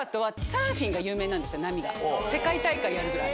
波が世界大会やるぐらい。